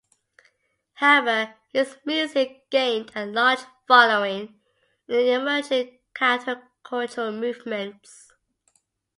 However, his music gained a large following in the emerging countercultural movements.